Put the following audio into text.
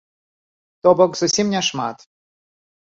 То бок зусім не шмат.